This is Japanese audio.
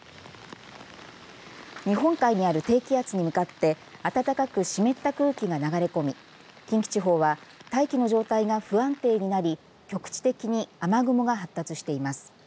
日本海にある低気圧に向かって暖かく湿った空気が流れ込み近畿地方は大気の状態が不安定になり局地的に雨雲が発達しています。